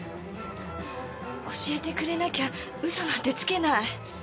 教えてくれなきゃ嘘なんてつけない！